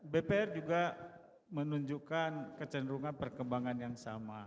bpr juga menunjukkan kecenderungan perkembangan yang sama